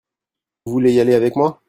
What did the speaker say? Vous voulez y aller avec moi ?